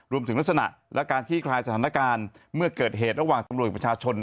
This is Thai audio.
ลักษณะและการขี้คลายสถานการณ์เมื่อเกิดเหตุระหว่างตำรวจประชาชน